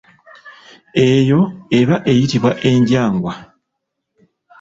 Eyo eba eyitibwa enjangwa.